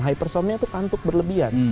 hypersomnia itu kantuk berlebihan